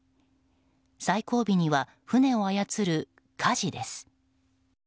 最後尾には船を操る舵です。